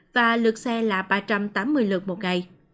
và lượt xe là ba trăm tám mươi lượt một ngày